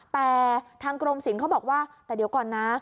แต่ทางกรมศิลป์เขาบอกว่าแต่เดี๋ยวก่อนนะ